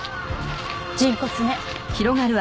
人骨ね。